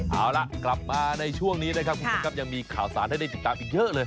เอาล่ะกลับมาในช่วงนี้นะครับคุณผู้ชมครับยังมีข่าวสารให้ได้ติดตามอีกเยอะเลย